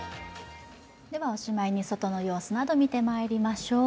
おしまいに外の様子など見てまいりましょう。